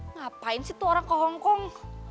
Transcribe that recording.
ngapain sih tuh orang ke hongkong